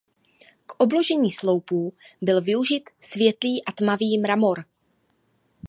K obložení sloupů byl využit světlý a tmavý mramor.